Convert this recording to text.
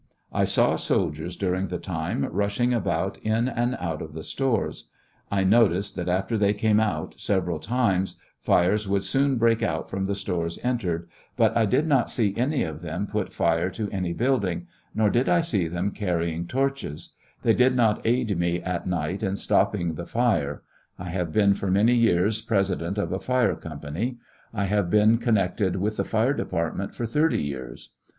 I saw soldiers during the time rushing about in and out of the stores. I noticed that after they came out several times, fires would soon break out from the store entered ; but I did not see any of them put fire to any building, nor did I see them carrying torches ; they did, not aid meat night in stopping the fire; I have been for many years President of a fire company ; I have been connected with the fire depart ment for thirty years.